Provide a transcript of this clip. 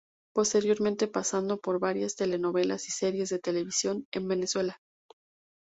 Posteriormente pasando por varias telenovelas y series de televisión en Venezuela.